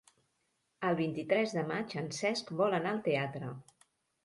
El vint-i-tres de maig en Cesc vol anar al teatre.